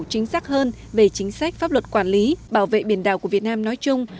chính xác hơn về chính sách pháp luật quản lý bảo vệ biển đảo của việt nam nói chung